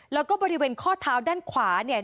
แล้วก็บริเวณข้อเท้าด้านขวาเนี่ย